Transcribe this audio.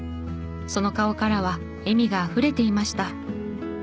その顔からは笑みがあふれていました。